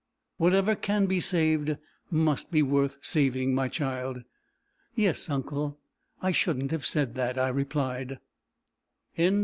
"Whatever can be saved, must be worth saving, my child." "Yes, uncle; I shouldn't have said that," I replied.